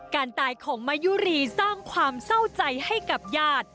การตายของมายุรีสร้างความเศร้าใจให้กับญาติ